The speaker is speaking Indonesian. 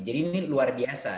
jadi ini luar biasa